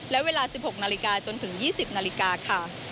และเวลา๑๖นาฬิกาจนถึง๒๐นาฬิกาค่ะ